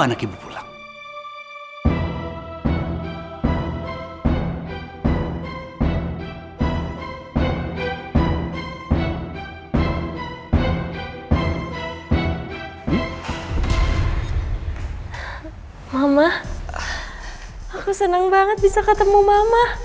aku senang banget bisa ketemu mama